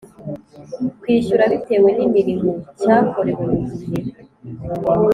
kwishyura bitewe n imirimo cyakorewe mu gihe